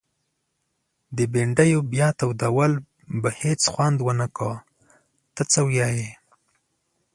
د بنډیو بیا تودول به هيڅ خوند ونکړي ته څه وايي؟